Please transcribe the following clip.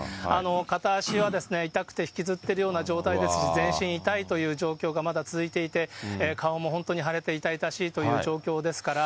片足は痛くて引きずってるような状態ですし、全身痛いという状況がまだ続いていて、顔も本当に腫れて痛々しいという状況ですから。